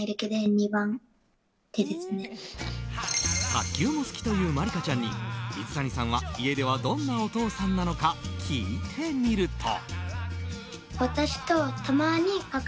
卓球も好きという茉莉花ちゃんに、水谷さんは家ではどんなお父さんなのか聞いてみると。